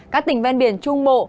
các tỉnh ven biển trung bộ